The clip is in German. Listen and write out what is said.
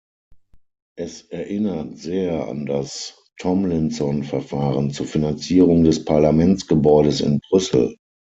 Es erinnert sehr an das Tomlinson-Verfahren zur Finanzierung des Parlamentsgebäudes in Brüssel.